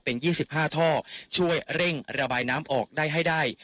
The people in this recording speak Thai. เป็น๒๕ท่อช่วยเร่งระบายน้ำออกได้ให้ได้